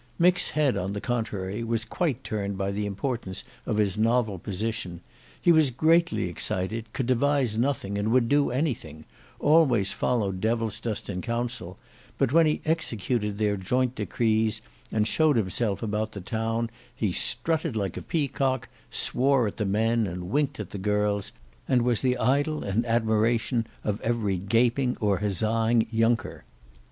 Mick's head on the contrary was quite turned by the importance of his novel position. He was greatly excited, could devise nothing and would do anything, always followed Devilsdust in council, but when he executed their joint decrees and showed himself about the town, he strutted like a peacock, swore at the men and winked at the girls, and was the idol and admiration of every gaping or huzzaing younker.